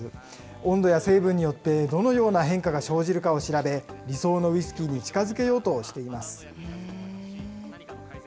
温度や成分によって、どのような変化が生じるかを調べ、理想のウイスキーに近づけようとしています。